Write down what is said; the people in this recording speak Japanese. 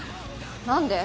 何で？